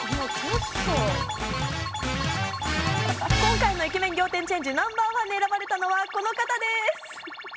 今回のイケメン仰天チェンジＮｏ．１に選ばれたのはこの方です。